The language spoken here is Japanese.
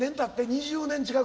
２０年近く？